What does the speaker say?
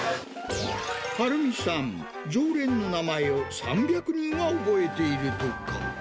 春美さん、常連の名前を３００人は覚えているとか。